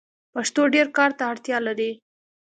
پښتو ډير کار ته اړتیا لري.